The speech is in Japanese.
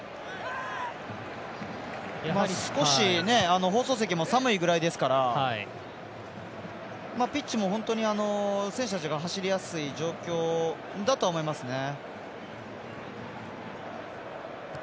やはり少し放送席も寒いぐらいですからピッチも選手たちが走りやすい状況だとは思いますね。